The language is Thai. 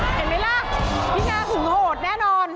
เห็นไหมล่ะพี่นาหึงโหดแน่นอน